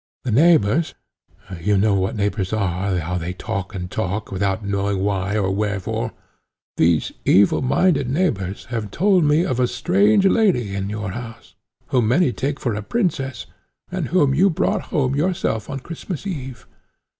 The neighbours, you know what neighbours are, how they talk and talk, without knowing why or wherefore, these evil minded neighbours have told me of a strange lady in your house, whom many take for a princess, and whom you brought home yourself on Christmas eve.